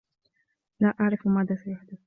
لا أعرف ماذا سيحدث.